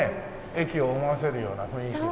駅を思わせるような雰囲気の。